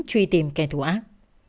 truy tìm kẻ thù ác